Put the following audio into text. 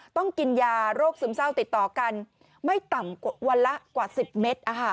ต้องกินยาโรคซึมเศร้าติดต่อกันไม่ต่ำกว่าวันละกว่า๑๐เมตร